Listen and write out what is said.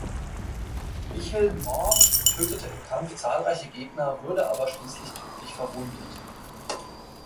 Michel Mort tötete im Kampf zahlreiche Gegner, wurde aber schließlich tödlich verwundet.